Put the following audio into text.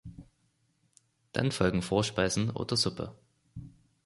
Dann folgen Vorspeisen oder Suppe.